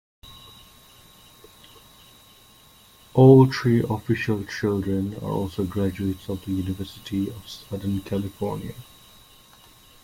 All three official children are also graduates of the University of Southern California.